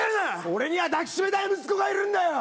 俺には抱きしめたい息子がいるんだよ！